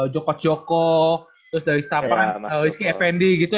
joko joko terus dari setapak kan rizky effendi gitu